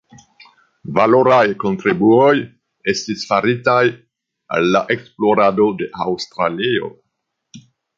Valoraj kontribuoj estis faritaj al la esplorado de Aŭstralio.